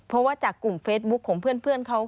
เพราะว่าจากกลุ่มเฟซบุ๊คของเพื่อนเขา